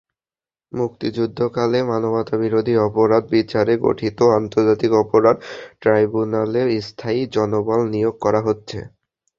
মুক্তিযুদ্ধকালে মানবতাবিরোধী অপরাধ বিচারে গঠিত আন্তর্জাতিক অপরাধ ট্রাইব্যুনালে স্থায়ী জনবল নিয়োগ করা হচ্ছে।